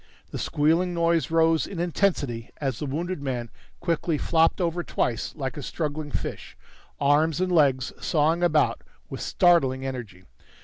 The squealing noise rose in intensity as the wounded man quickly flopped over twice like a struggling fish, arms and legs sawing about with startling energy.